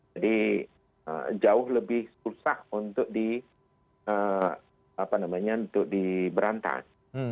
jadi jauh lebih susah untuk diberantakan